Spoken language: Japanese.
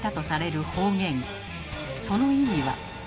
その意味は。